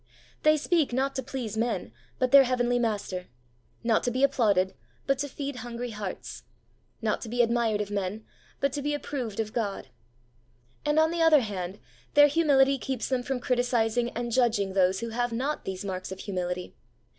They speak not to please men, but their Heavenly Master ; not to be applauded. HOLINESS AND HUMILITY 57 but to feed hungry hearts ; not to be admired of men, but to be approved of God. And, on the other hand, their humility keeps them from criticizing and judging those who have not these marks of humility.